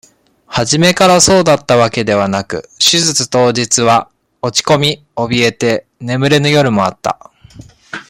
初めからそうだったわけではなく、手術当時は、落ち込み、おびえて、眠れぬ夜もあった。